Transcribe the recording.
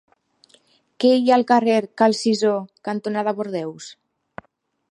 Què hi ha al carrer Cal Cisó cantonada Bordeus?